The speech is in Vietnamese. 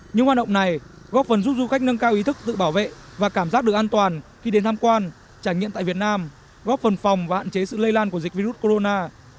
những hoạt động này góp phần giúp du khách nâng cao ý thức tự bảo vệ và cảm giác được an toàn khi đến tham quan trải nghiệm tại việt nam góp phần phòng và hạn chế sự lây lan của dịch virus corona